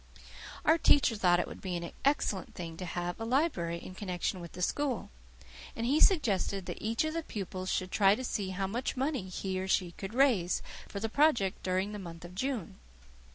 Our teacher thought it would be an excellent thing to have a library in connection with the school; and he suggested that each of the pupils should try to see how much money he or she could raise for the project during the month of June.